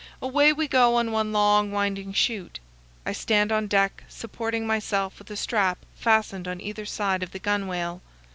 Away we go on one long, winding chute. I stand on deck, supporting myself with a strap fastened on either side of the gunwale.